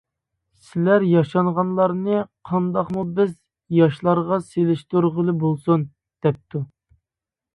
سىلەر ياشانغانلارنى قانداقمۇ بىز ياشلارغا سېلىشتۇرغىلى بولسۇن؟ دەپتۇ.